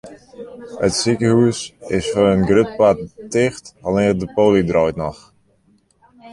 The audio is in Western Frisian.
It sikehûs is foar in grut part ticht, allinnich de poly draait noch.